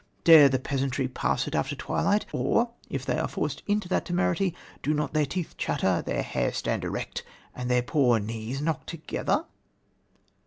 dare the peasantry pass it after twilight, or if they are forced into that temerity, do not their teeth chatter, their hair stand erect and their poor knees knock together?"